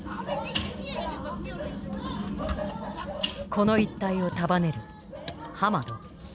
この一帯を束ねるハマド。